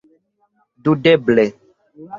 Dubeble!